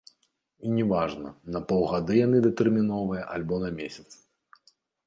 І не важна, на паўгады яны датэрміновыя альбо на месяц.